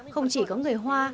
không chỉ có người hoa